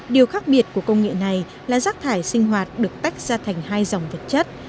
điều khác biệt của công nghệ này là rác thải sinh hoạt được tách ra thành hai dòng vật chất